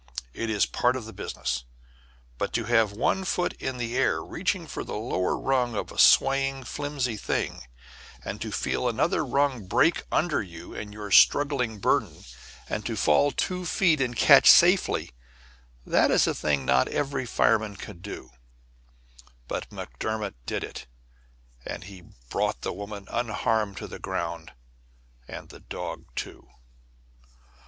It is part of the business. But to have one foot in the air reaching for the lower rung of a swaying, flimsy thing, and to feel another rung break under you and your struggling burden, and to fall two feet and catch safely, that is a thing not every fireman could do; but McDermott did it, and he brought the woman unharmed to the ground and the dog, too.